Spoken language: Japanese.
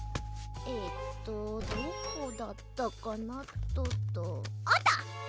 えっとどこだったかなっとあった！